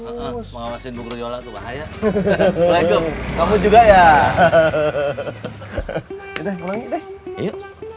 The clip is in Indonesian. mengawasi bu guryola tuh bahaya